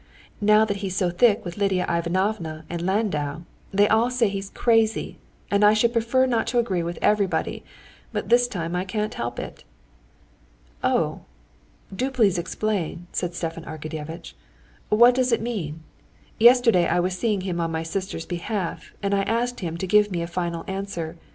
Now that he's so thick with Lidia Ivanovna and Landau, they all say he's crazy, and I should prefer not to agree with everybody, but this time I can't help it." "Oh, do please explain," said Stepan Arkadyevitch; "what does it mean? Yesterday I was seeing him on my sister's behalf, and I asked him to give me a final answer.